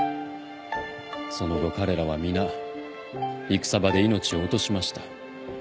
その後彼らは皆戦場で命を落としました。